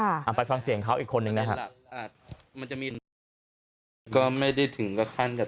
อ่ะไปฟังเสียงเขาอีกคนหนึ่งนะครับ